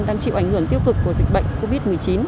đang chịu ảnh hưởng tiêu cực của dịch bệnh covid một mươi chín